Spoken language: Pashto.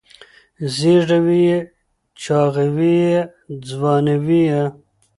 زېږوي یې چاغوي یې ځوانوي یې